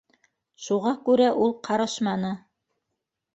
Шуға күрә ул ҡарышманы.